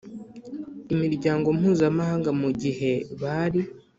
Imiryango mpuzamahanga mu gihe bari